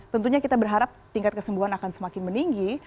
tentunya kita berharap tingkat kesembuhan akan semakin meninggi